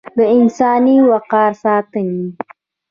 د انساني وقار د ساتنې